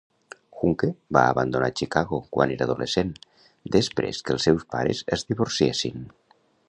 Huncke va abandonar Chicago quan era adolescent, després que els seus pares es divorciessin.